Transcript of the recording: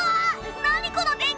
何この電気！？